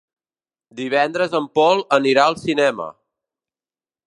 Divendres en Pol anirà al cinema.